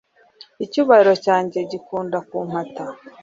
icyubahiro cyanjye gikunda kumpata